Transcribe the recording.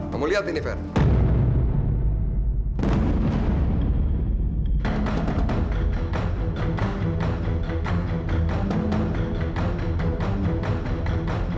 kamu lihat ini ferry